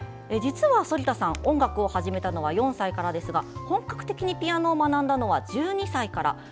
実は反田さん、音楽を始めたのは４歳からですが本格的にピアノを学んだのは１２歳から。